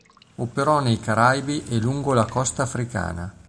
Operò nei Caraibi e lungo la costa africana.